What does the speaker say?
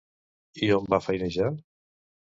I on va feinejar?